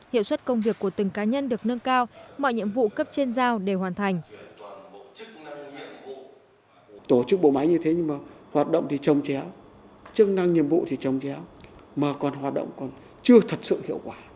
hiệu suất công việc của từng cá nhân được nâng cao mọi nhiệm vụ cấp trên giao đều hoàn thành